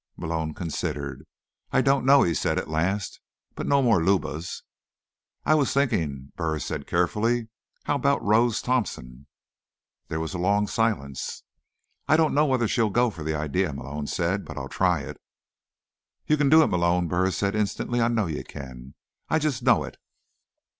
Malone considered. "I don't know," he said at last. "But no more Lubas." "I was thinking," Burris said carefully. "How about Rose Thompson?" There was a long silence. "I don't know whether she'll go for the idea," Malone said. "But I'll try it." "You can do it, Malone," Burris said instantly. "I know you can. I just know it."